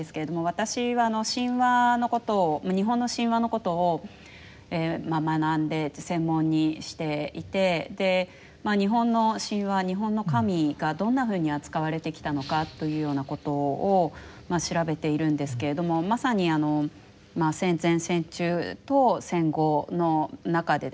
私は神話のことを日本の神話のことを学んで専門にしていて日本の神話日本の神がどんなふうに扱われてきたのかというようなことを調べているんですけれどもまさに戦前戦中と戦後の中でですね